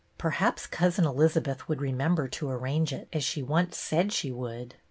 Perhaps Cousin Elizabeth would remember to arrange it, as she once said she would.